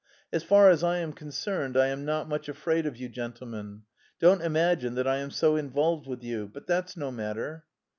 As far as I am concerned, I am not much afraid of you, gentlemen.... Don't imagine that I am so involved with you.... But that's no matter."